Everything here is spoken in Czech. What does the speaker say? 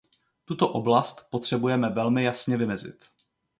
Tuto oblast potřebujeme velmi jasně vymezit.